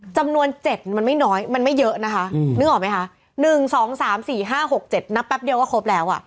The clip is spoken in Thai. จำนวน๗มันไม่น้อยมันไม่เยอะนะคะนึกออกไหมคะ๑๒๓๔๕๖๗นับแป๊บเดียวก็ครบแล้ว